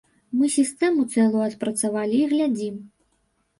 Мы сістэму цэлую адпрацавалі і глядзім.